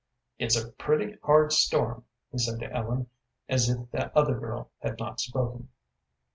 "It's a pretty hard storm," he said to Ellen, as if the other girl had not spoken.